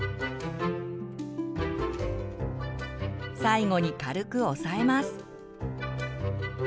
最後に軽く押さえます。